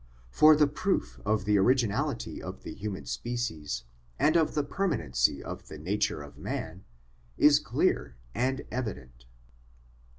For the proof of the originality of the human species, and of the permanency of the nature of man, is clear and evident.